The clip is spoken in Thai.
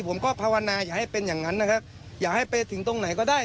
ภาวนาอย่าให้เป็นอย่างนั้นนะครับอย่าให้ไปถึงตรงไหนก็ได้